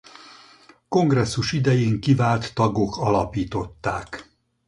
Kongresszus idején kivált tagok alapították.